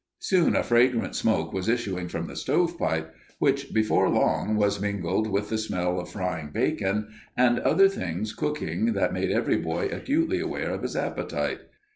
Soon a fragrant smoke was issuing from the stovepipe, which before long was mingled with the smell of frying bacon and other things cooking that made every boy acutely aware of his appetite.